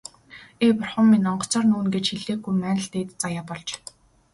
Ээ, бурхан минь, онгоцоор нүүнэ гэж хэлээгүй маань л дээд заяа болж.